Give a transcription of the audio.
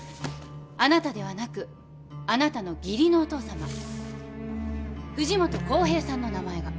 あなたではなくあなたの義理のお父さま藤本浩平さんの名前が。